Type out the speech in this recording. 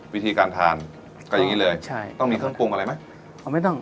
วิธีการทานก็อย่างนี้เลยต้องมีเครื่องปรุงอะไรไหม